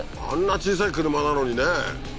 小さい車なのにね